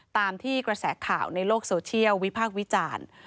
ตามที่กระแสข่าวในโลกโซเชียลวิพากษ์วิจารณ์